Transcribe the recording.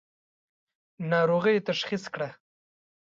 ناروغۍ یې تشخیص کړه.